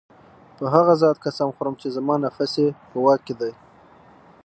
په هغه ذات قسم خورم چي زما نفس ئي په واك كي دی